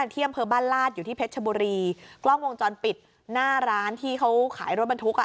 ที่อำเภอบ้านลาดอยู่ที่เพชรชบุรีกล้องวงจรปิดหน้าร้านที่เขาขายรถบรรทุกอ่ะ